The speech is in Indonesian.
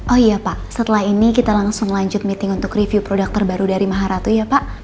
oh iya pak setelah ini kita langsung lanjut meeting untuk review produk terbaru dari maharatu ya pak